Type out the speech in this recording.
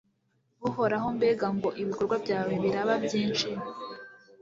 Uhoraho mbega ngo ibikorwa byawe biraba byinshi